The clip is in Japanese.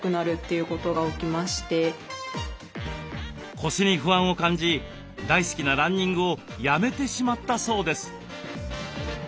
腰に不安を感じ大好きなランニングをやめてしまったそうです。